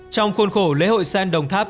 trong khuôn khổ lễ hội sen đồng tháp